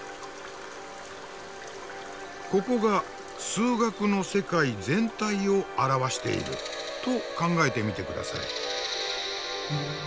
ここが「数学の世界」全体を表していると考えてみて下さい。